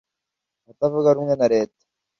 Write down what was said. Abatavuga rumwe na Leta